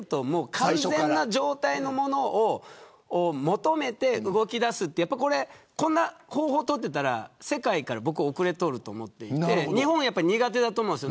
完全な状態のものを求めて動きだすことをやっていたら世界から後れを取ると思っていて日本は苦手だと思うんです。